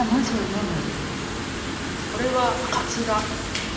これはかつら。